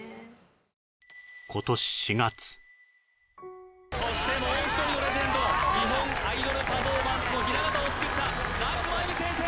今年４月・そしてもう一人のレジェンド日本アイドルパフォーマンスのひな型を作った夏まゆみ先生